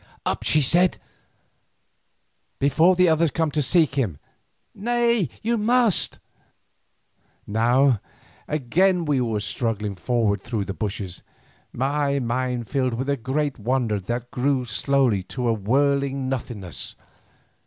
"Up," she said, "before others come to seek him. Nay, you must." Now, again we were struggling forward through the bushes, my mind filled with a great wonder that grew slowly to a whirling nothingness.